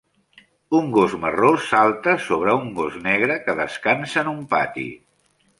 Un gos marró salta sobre un gos negre que descansa en un pati.